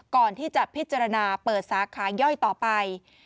ก่อนที่จะพิจารณาเปิดสาขาย่อยต่อไป